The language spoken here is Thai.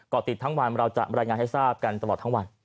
ก็ติดทั้งวันเราจะรายงานให้ทราบกันตลอดทั้งวัน